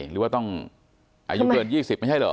หรือว่าต้องอายุเกิน๒๐ไม่ใช่เหรอ